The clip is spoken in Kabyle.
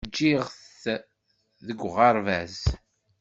Ǧǧiɣ-t deg uɣerbaz.